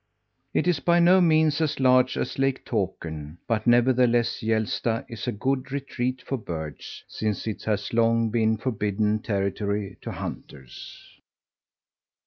It is by no means as large as Lake Tåkern, but nevertheless Hjälsta is a good retreat for birds, since it has long been forbidden territory to hunters.